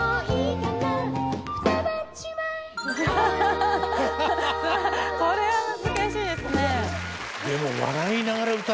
ハハハハこれは難しいですね。